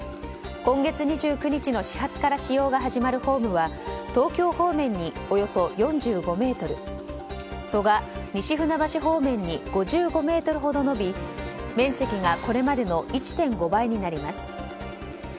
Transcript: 今月２９日の始発から使用が始まるホームは東京方面におよそ４５ｍ蘇我・西船橋方面に５５ｍほど延び面積がこれまでの１．５倍になります。